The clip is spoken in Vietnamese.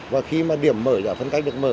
và khi mà điểm mở giải phân cách được mở